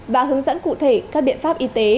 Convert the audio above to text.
và hướng dẫn cụ thể các biện pháp y tế